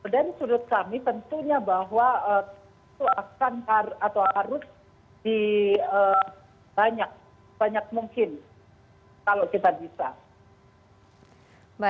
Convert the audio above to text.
dan sudut kami tentunya bahwa